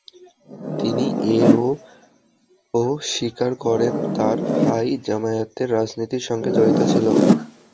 তিনি এ-ও স্বীকার করেন, তাঁর ভাই জামায়াতের রাজনীতির সঙ্গে জড়িত ছিল।